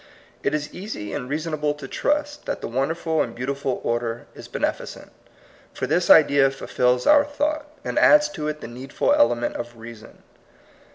It is easy and reasonable to trust that the won derful and beautiful order is beneficent ; for this idea fulfils our thought, and adds to it the needful element of reason.